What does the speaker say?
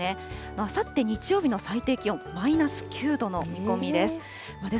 あさって日曜日の最低気温、マイナス９度の見込みです。